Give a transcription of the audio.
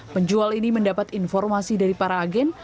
penjual ini mendapat informasi dari para agen